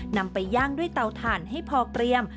นำไปย่างด้วยเตาถ่านให้พอเกรียม